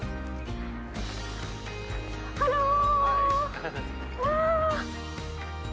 ハロー。